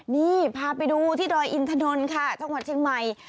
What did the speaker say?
นี่พาไปดูที่ดอยอินทนทนค่ะช่วงวัดช่างใหม่